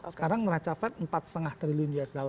sekarang neraca fed empat lima triliun usd